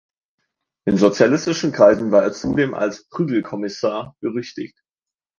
In sozialistischen Kreisen war er zudem als „Prügel-Kommissar“ berüchtigt.